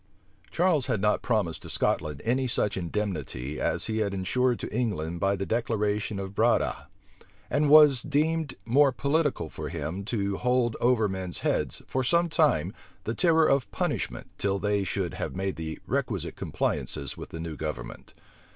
Charles had not promised to Scotland any such indemnity as he had insured to England by the declaration of Breda: and it was deemed more political for him to hold over men's heads, for some time, the terror of punishment, till they should have made the requisite compliances with the new government.